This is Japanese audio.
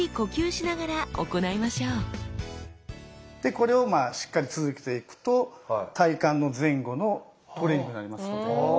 これをしっかり続けていくと体幹の前後のトレーニングになりますので。